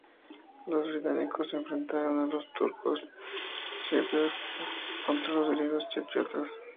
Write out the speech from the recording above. Los británicos enfrentaron a los turcos chipriotas contra los griegos chipriotas.